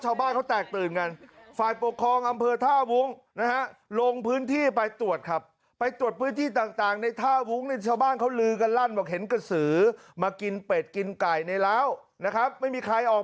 สามารถฆ่าเท่ากลัวไม่กลัวค่ะอาจารย์ที่ถึงกักกี้มาก